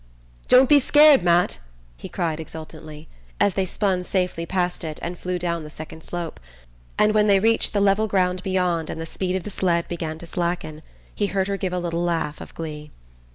"Don't be scared, Matt!" he cried exultantly, as they spun safely past it and flew down the second slope; and when they reached the level ground beyond, and the speed of the sled began to slacken, he heard her give a little laugh of glee.